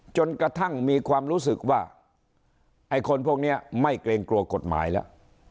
จนกระทั่งมีความรู้สึกว่าไอ้คนพวกนี้ไม่เกรงกลัวกฎหมายแล้ว